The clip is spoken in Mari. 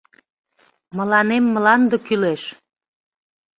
— Мыланем мланде кӱлеш!